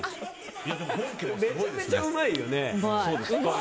めちゃめちゃうまいよね。